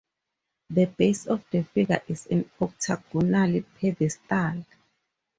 The base of the figure is an octagonal pedestal.